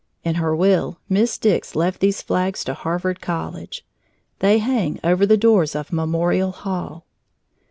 In her will Miss Dix left these flags to Harvard College. They hang over the doors of Memorial Hall.